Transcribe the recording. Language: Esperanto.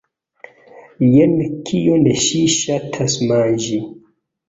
Jen kion ŝi ŝatas manĝi